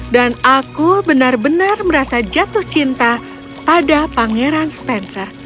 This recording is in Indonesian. dan aku benar benar merasa jatuh cinta pada pangeran spencer